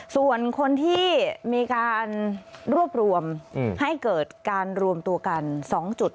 ส่วนคนที่มีการรวบรวมให้เกิดการรวมตัวกัน๒จุด